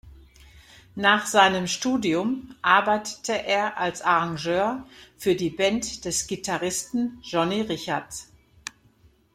Nach seinem Studium arbeitete er als Arrangeur für die Band des Gitarristen Johnny Richards.